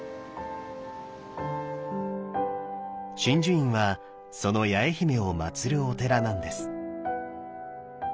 眞珠院はその八重姫をまつるお寺なんです。